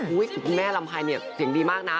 อุ๊ยคุณแม่ลำไพรเสียงดีมากนะ